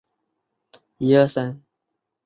少詹事二员。